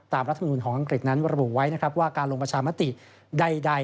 รัฐมนุนของอังกฤษนั้นระบุไว้นะครับว่าการลงประชามติใด